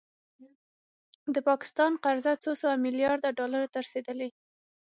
د پاکستان قرضه څو سوه میلیارده ډالرو ته رسیدلې